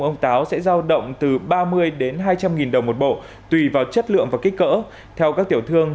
ông táo sẽ giao động từ ba mươi đến hai trăm linh nghìn đồng một bộ tùy vào chất lượng và kích cỡ theo các tiểu thương